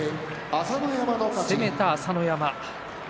攻めた朝乃山。